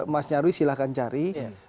mas nyarwi silahkan cari